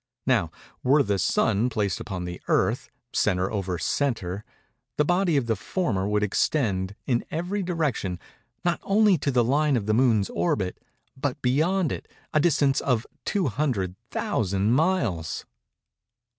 Now, were the Sun placed upon the Earth, centre over centre, the body of the former would extend, in every direction, not only to the line of the Moon's orbit, but beyond it, a distance of 200,000 miles.